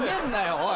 おい。